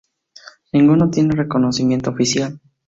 Ninguno tiene reconocimiento oficial.